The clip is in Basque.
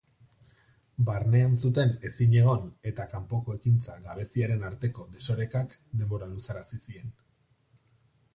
Barnean zuten ezinegon eta kanpoko ekintza gabeziaren arteko desorekak denbora luzarazi zien.